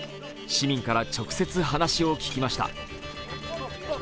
市民から直接、話を聞きました。